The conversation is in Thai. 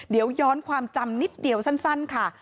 เดี๋ยวย้อนความจำนิดเดียวสั้นค่ะ